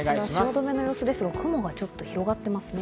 汐留の様子ですが、雲がちょっと広がってますね。